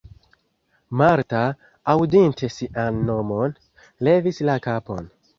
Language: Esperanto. Marta, aŭdinte sian nomon, levis la kapon.